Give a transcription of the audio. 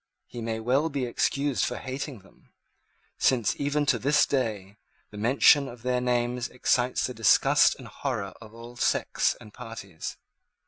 He may well be excused for hating them; since, even at this day, the mention of their names excites the disgust and horror of all sects and parties.